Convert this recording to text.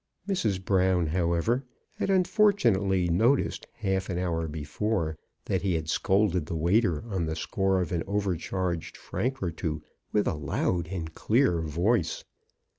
Mrs. Brown, however, had unfortu nately noticed half an hour before that he had scolded the waiter on the score of an over charged franc or two with a loud and clear voice.